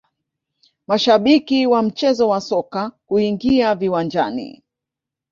mashabiki wa mchezo wa soka kuingia viwanjani